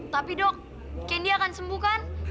tapi dok kendi akan sembuh kan